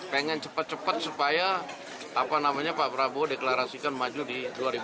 pengen cepat cepat supaya apa namanya pak prabowo deklarasikan maju di dua ribu sembilan belas